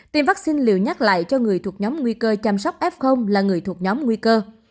tiêm vaccine liệu nhắc lại cho người thuộc nhóm nguy cơ chăm sóc f là người thuộc nhóm nguy cơ